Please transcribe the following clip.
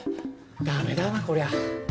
ダメだなこりゃ。